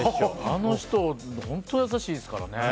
あの人、本当優しいですからね。